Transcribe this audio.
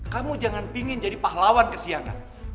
kamu jangan pingin jadi pahlawan kesiana